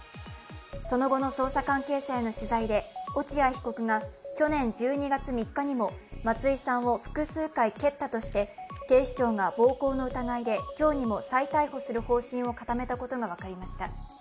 その後の捜査関係者への取材で落合被告が去年１２月３日にも松井さんを複数回蹴ったとして警視庁が暴行の疑いで今日にも再逮捕する方針を固めたことが分かりました。